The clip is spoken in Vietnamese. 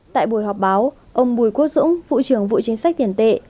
tại buổi họp báo ông bùi quốc dũng vụ trưởng vụ chính sách tiền tệ